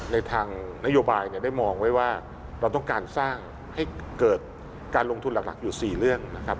ในทางนโยบายเนี่ยได้มองไว้ว่าเราต้องการสร้างให้เกิดการลงทุนหลักอยู่๔เรื่องนะครับ